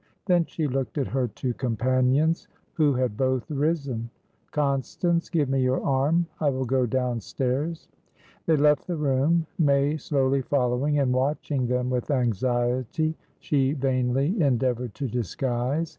Then she looked at her two companions, who had both risen. "Constance, give me your arm. I will go downstairs." They left the room, May slowly following and watching them with anxiety she vainly endeavoured to disguise.